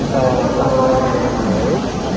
insya allah kita bisa berjalan dengan baik